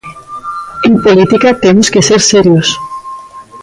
En política temos que ser serios.